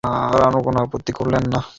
তিনি তার খেলার ধারা উন্নয়নে সচেষ্ট হন।